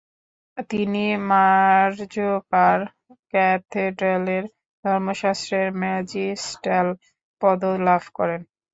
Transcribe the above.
তিনি মাজোর্কার ক্যাথেড্রালের ধর্মশাস্ত্রের ম্যাজিস্টাল পদও লাভ করেন।